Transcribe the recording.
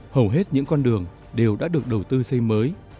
hầu hết những con đường đều đã được đầu tư xây mới